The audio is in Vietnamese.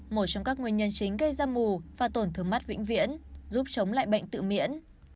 một trong các nguyên nhân chính gây ra mù pha tổn thương mắt vĩnh viễn giúp chống lại bệnh tự miễn